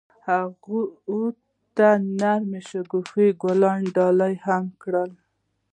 هغه هغې ته د نرم شګوفه ګلان ډالۍ هم کړل.